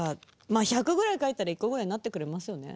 まあ１００ぐらい書いたら１個ぐらいなってくれますよね。